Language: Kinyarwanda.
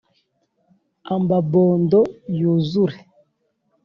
ambabondo yuzure